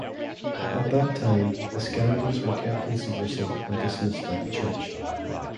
At that time the scandals were kept in secrecy and dismissed by the church.